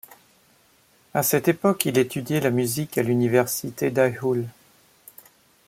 À cette époque, il étudiait la musique à l'université Daehul.